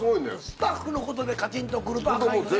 スタッフのことでカチンとくるとアカンよね。